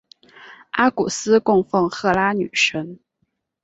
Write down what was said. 阿古斯供奉赫拉女神。